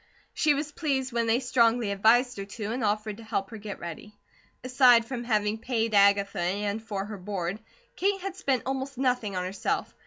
She was pleased when they strongly advised her to, and offered to help her get ready. Aside from having paid Agatha, and for her board, Kate had spent almost nothing on herself.